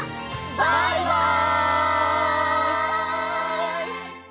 バイバイ！